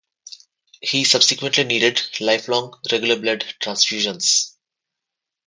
He subsequently needed lifelong regular blood transfusions.